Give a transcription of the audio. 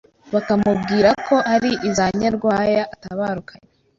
bakamubwira ko ari iza Nyarwaya atabarukanye